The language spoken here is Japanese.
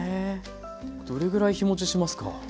どれぐらい日持ちしますか？